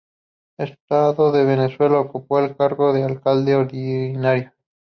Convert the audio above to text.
Estando en Venezuela ocupó el cargo de alcalde ordinario.